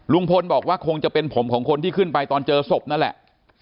ลุงพลบอกว่าคงจะเป็นผมของคนที่ขึ้นไปตอนเจอศพนั่นแหละ